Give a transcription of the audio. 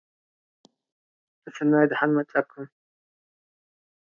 He locks himself in a room to finish making Mina his bride.